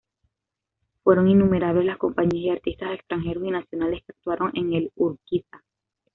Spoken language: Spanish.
Fueron innumerables las compañías y artistas extranjeros y nacionales que actuaron en el Urquiza.